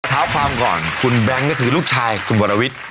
เท้าความก่อนคุณแบงค์ก็คือลูกชายคุณวรวิทย์